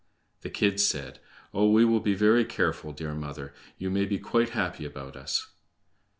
The kids said: "Oh, we will be very careful, dear mother. You may be quite happy about us."